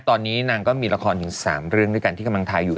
ตอนนี้นางก็มีละครถึง๓เรื่องด้วยกันที่กำลังทายอยู่